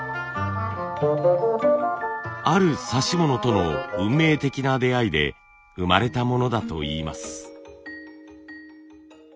ある指物との運命的な出会いで生まれたものだといいます。